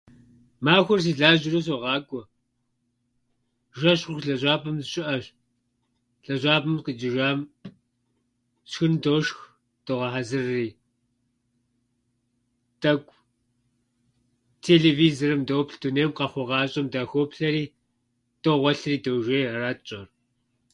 Махуэр сылажьэурэ согъакӏуэ. Жэщ хъуху лэжьапӏэм сыщыӏэщ. Лэжьапӏэм сыкъикӏыжам, шхын дошх догъэхьэзырри. Тӏэкӏу телевизорым доплъ, дунейм къахъуэ-къащӏэм дахоплъэри догъуэлъри дожей. Ара тщӏэр.